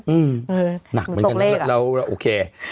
หนักเหมือนกันนะแล้วโอเค